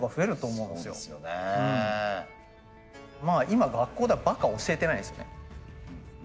今学校ではばか教えてないんですよね。